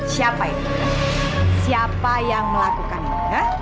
siapa ini siapa yang melakukan ini